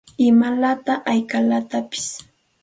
¿Imalaq hayqalataqshi?